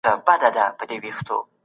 دا د بې خوبۍ ستونزه ده.